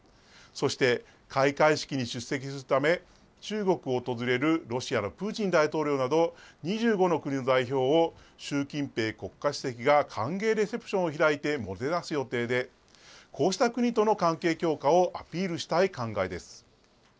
そして開会式に出席するため、中国を訪れるロシアのプーチン大統領など、２５の国の代表を、習近平国家主席が歓迎レセプションを開いてもてなす予定で、こうした国との関係強化をアピールしたい考えです。